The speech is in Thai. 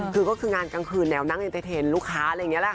คือก็คืองานกลางคืนแนวนั่งเอ็นเตอร์เทนลูกค้าอะไรอย่างนี้แหละค่ะ